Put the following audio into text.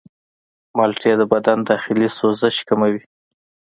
مالټې د بدن داخلي سوزش کموي.